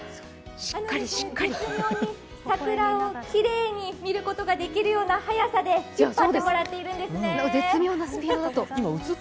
絶妙に桜をきれいに見ることができるような速さで引っ張ってもらっているんですね。